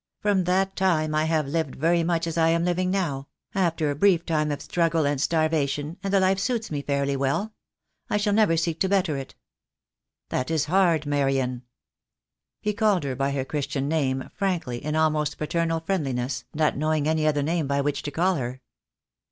From that time I have lived very much as I am living now — after a brief time of struggle and starvation — and the life suits me fairly well. I shall never seek to better it." "That is hard, Marian." He called her by her Christian name, frankly, in almost paternal friendliness, not knowing any other name by which to call her.